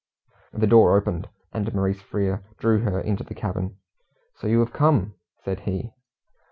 The door opened, and Maurice Frere drew her into the cabin. "So you have come?" said he.